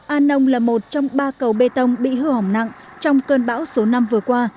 an nông là một trong ba cầu bê tông bị hư hỏng nặng trong cơn bão số năm vừa qua